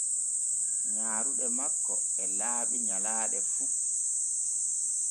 Nyaaruɗe makko e laaɓi nyallane fu.